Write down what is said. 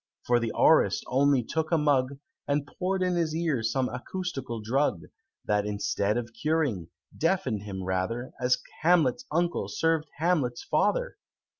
For the Aurist only took a mug, And pour'd in his ear some acoustical drug, That, instead of curing, deafen'd him rather, As Hamlet's uncle served Hamlet's father!